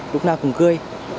lúc nào cũng cười